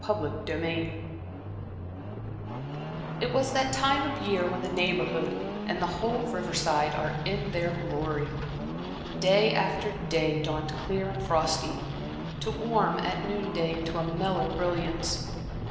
Chapter XII It was that time of year when the Neighborhood, and the whole riverside, are in their glory. Day after day dawned clear and frosty, to warm at noon day into a mellow brilliance.